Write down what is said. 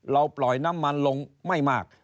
ปล่อยน้ำมันลงไม่มาก